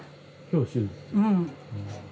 うん。